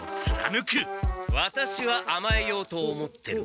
ワタシはあまえようと思ってる。